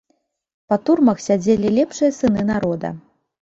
Па турмах сядзелі лепшыя сыны народа.